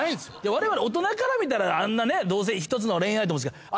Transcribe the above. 我々大人から見たらあんなねどうせひとつの恋愛と思うんですけど。